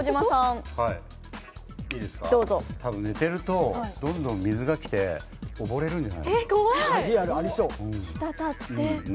たぶん寝てると、どんどん水が来て溺れるんじゃない？